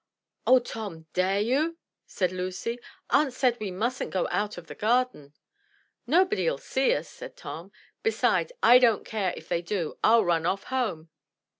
"Oh, Tom, dare you?" said Lucy. "Aunt said we mustn't go out of the garden." "Nobody 'uU see us," said Tom. "Besides I don't care if they do, — I'll run off home."